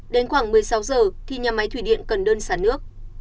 đến khoảng một mươi sáu giờ thì nhà máy thủy điện cần đơn sản nước